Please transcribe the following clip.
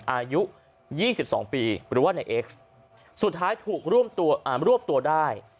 อายุยี่สิบสองปีหรือว่าในเอ็กซสุดท้ายถูกร่วมตัวอ่ารวบตัวได้